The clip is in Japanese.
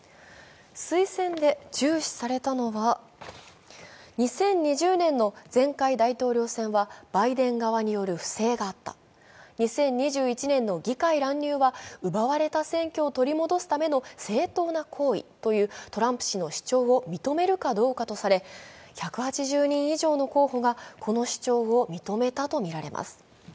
推薦で重視されたのは２０２０年の前回大統領選はバイデン側による不正があった、２０２１年の議会乱入は奪われた選挙を取り戻すための正当な行為というトランプ氏の主張を認めるかどうかとされ、１８０人以上の候補がこの主張を認めたとみられます。